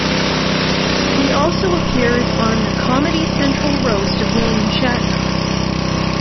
He also appeared on the "Comedy Central Roast of William Shatner".